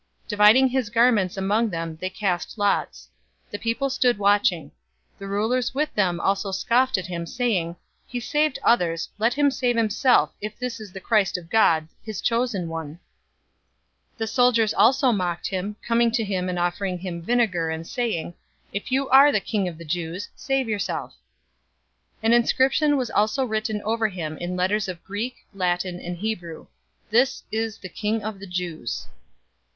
Dividing his garments among them, they cast lots. 023:035 The people stood watching. The rulers with them also scoffed at him, saying, "He saved others. Let him save himself, if this is the Christ of God, his chosen one!" 023:036 The soldiers also mocked him, coming to him and offering him vinegar, 023:037 and saying, "If you are the King of the Jews, save yourself!" 023:038 An inscription was also written over him in letters of Greek, Latin, and Hebrew: "THIS IS THE KING OF THE JEWS."